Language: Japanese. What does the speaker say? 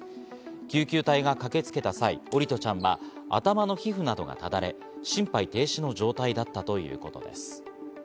救急隊が駆けつけた際、桜利斗ちゃんは頭の皮膚などがただれ、心肺停止の状態だったということです。